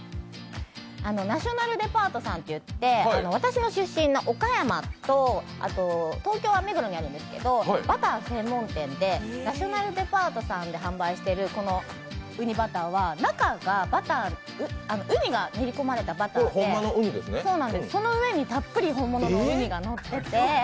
ナショナルデパートさんっていって、私の出身の岡山とあと東京は目黒にあるんですけれどもバター専門店で、ナショナルデパートさんで販売しているうにバターはうにが練り込まれたバターでその上にたっぷり本物のうにがのっていて。